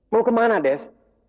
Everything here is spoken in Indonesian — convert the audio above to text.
mau ke mana des